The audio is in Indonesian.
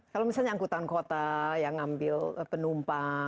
kalau misalnya angkutan kota yang ngambil penumpang